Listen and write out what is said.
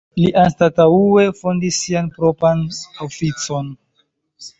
Li anstataŭe fondis sian propran oficon.